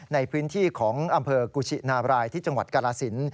ในพื้นที่ของอำเภอกุชินาบรายที่จังหวัดกาลสิน